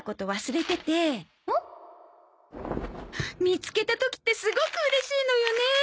見つけた時ってすごくうれしいのよね！